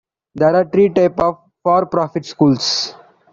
There are three types of for-profit schools.